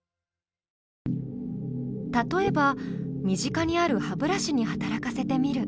例えば身近にある歯ブラシに働かせてみる。